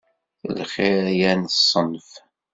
Lxir yal ṣṣenf.